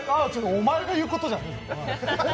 お前が言うことじゃない。